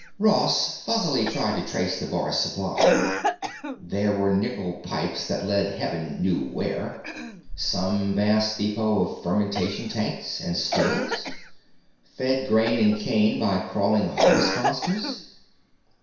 Ross fuzzily tried to trace the bar's supply. There were nickel pipes that led Heaven knew where. Some vast depot of fermentation tanks and stills? Fed grain and cane by crawling harvest monsters?